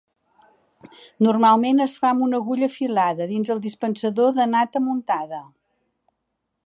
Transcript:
Normalment es fa amb una agulla afilada dins el dispensador de nata muntada.